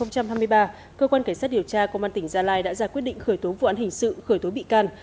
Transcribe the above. công an tỉnh gia lai đã giả quyết định khởi tố vụ án hình sự khởi tố bị can